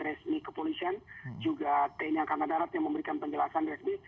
resmi kepolisian juga tni angkatan darat yang memberikan penjelasan resmi